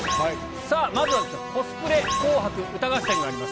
さあ、まずはですね、コスプレ紅白歌合戦があります。